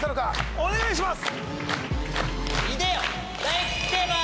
お願いします。